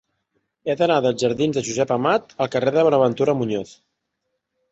He d'anar dels jardins de Josep Amat al carrer de Buenaventura Muñoz.